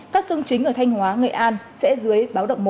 các sông chính ở thanh hóa nghệ an sẽ dưới báo động một